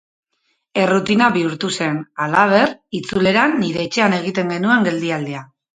Errutina bihurtu zen, halaber, itzuleran nire etxean egiten genuen geldialdia.